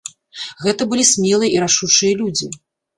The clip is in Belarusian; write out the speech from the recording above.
Гэта былі смелыя і рашучыя людзі.